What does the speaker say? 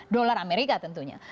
dolar amerika tentu saja